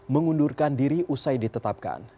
mengundurkan diri usai ditetapkan